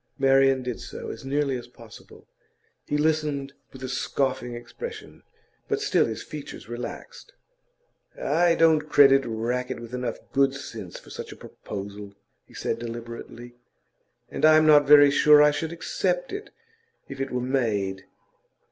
Marian did so, as nearly as possible. He listened with a scoffing expression, but still his features relaxed. 'I don't credit Rackett with enough good sense for such a proposal,' he said deliberately. 'And I'm not very sure that I should accept it if it were made.